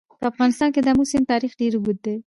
په افغانستان کې د آمو سیند تاریخ ډېر اوږد دی.